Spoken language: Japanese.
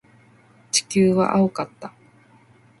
地球は青かった。